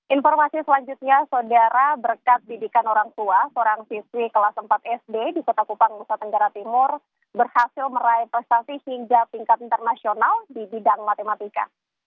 informasi selanjutnya saudara berkat bidikan orang tua seorang siswi kelas empat sd di kota kupang nusa tenggara timur berhasil meraih prestasi hingga tingkat internasional di bidang matematika